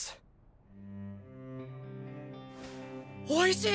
おいしい！